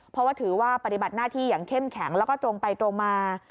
เพราะว่าถือว่าปฏิบัติหน้าที่อย่างเข้มแข็งแล้วก็ตรงไปตรงมา